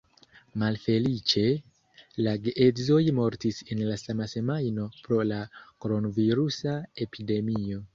Malfeliĉe, la geedzoj mortis en la sama semajno pro la kronvirusa epidemio.